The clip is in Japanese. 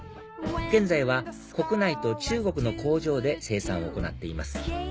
現在は国内と中国の工場で生産を行っています